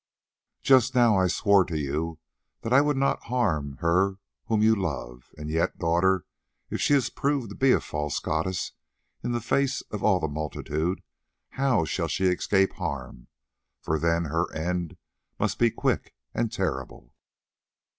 "Just now I swore to you that I would not harm her whom you love, and yet, daughter, if she is proved to be a false goddess in the face of all the multitude, how shall she escape harm, for then her end must be quick and terrible?"